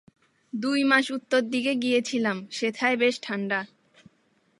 দুই মাস উত্তর দিকে গিয়েছিলাম, সেথায় বেশ ঠাণ্ডা।